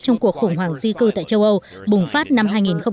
trong cuộc khủng hoảng di cư tại châu âu bùng phát năm hai nghìn một mươi